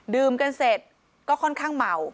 ดื่มกันเสร็จก็ค่อนข้างเมา